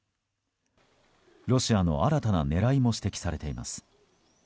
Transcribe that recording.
ロシアの新たな狙いも指摘されています。